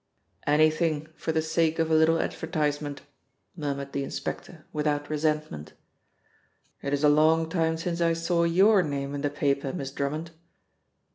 "Anything for the sake of a little advertisement," murmured the inspector without resentment. "It is a long time since I saw your name in the paper, Miss Drummond."